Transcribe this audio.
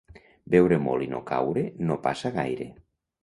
Beure molt i no caure no passa gaire.